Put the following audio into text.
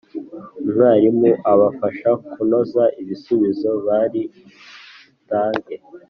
umwarimu abafasha kunoza ibisubizo bari butange